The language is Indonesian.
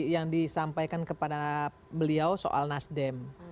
yang disampaikan kepada beliau soal nasdem